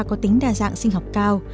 có tính đa dạng sinh học cao